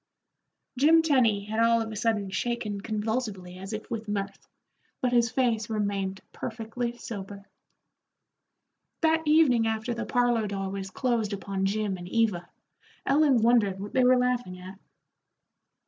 Jim Tenny had all of a sudden shaken convulsively as if with mirth, but his face remained perfectly sober. That evening after the parlor door was closed upon Jim and Eva, Ellen wondered what they were laughing at.